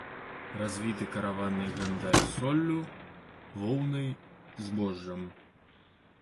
Развіты караванны гандаль соллю, воўнай, збожжам.